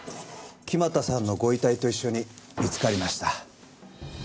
木俣さんのご遺体と一緒に見つかりました。